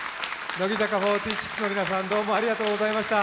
乃木坂４６の皆さん、どうもありがとうございました。